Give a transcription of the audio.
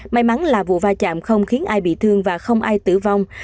may mắn là vụ va chạm không khiến ai bị thương và không ai tử vong